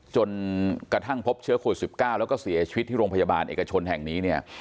จนกระทั่งพบเชื้อโควิด๑๙แล้วก็เสียชีวิตที่โรงพยาบาลเอกชนแห่งนี้เนี่ย